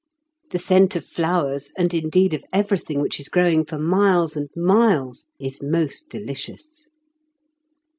The scent of flowers, and indeed of everything which is growing for miles and miles, is most delicious.